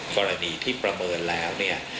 กรณีที่ประเมินแล้วเนี่ย